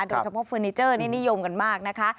โดยเฉพาะเฟอร์นิเจอร์นี่นิยมกันมากนะคะ